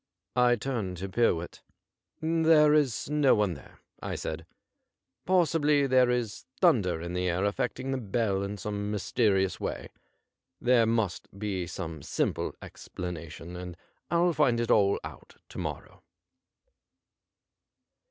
I turned to Pyrwhit. * There is no one there,' I said. 89 CASE OF VINCENT PYRWHIT ' Possibly there is thunder in the air affecting the bell in some mys terious way. There must be some simple explanation, and Til find it all out to morrow.'